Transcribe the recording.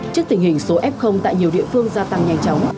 trước tình hình số f tại nhiều địa phương gia tăng nhanh chóng